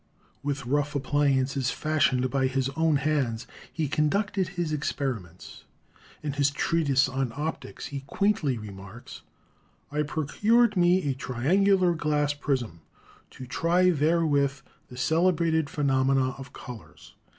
With rough appli ances fashioned by his own hands he conducted his ex periments. In his treatise on "Opticks' he quaintly re marks, "I procured me a triangular glass prisme, to try therewith the celebrated phenomena of colors.